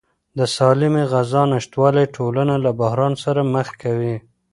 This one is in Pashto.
د سالمې غذا نشتوالی ټولنه له بحران سره مخ کوي.